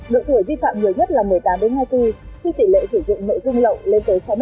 nội thủy vi phạm nhiều nhất là một mươi tám hai mươi bốn khi tỷ lệ sử dụng nội dung lậu lên tới sáu mươi năm